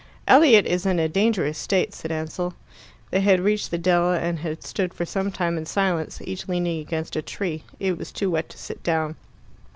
"Elliot is in a dangerous state," said Ansell. They had reached the dell, and had stood for some time in silence, each leaning against a tree. It was too wet to sit down.